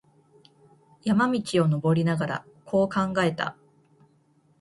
山路を登りながら、こう考えた。